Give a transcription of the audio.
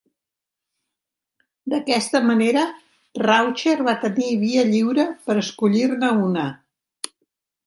D'aquesta manera, Raucher va tenir via lliure per escollir-ne una.